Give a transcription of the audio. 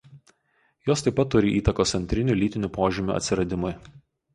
Jos taip turi įtakos antrinių lytinių požymių atsiradimui.